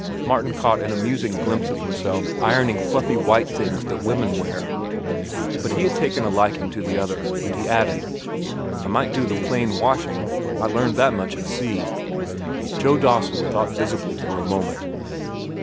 Martin caught an amusing glimpse of himself ironing fluffy white things that women wear. But he had taken a liking to the other, and he added: "I might do the plain washing. I learned that much at sea." Joe Dawson thought visibly for a moment.